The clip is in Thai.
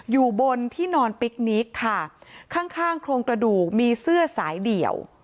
อยู่บนที่นอนปิ๊กนิกค่ะข้างข้างโครงกระดูกมีเสื้อสายเดี่ยว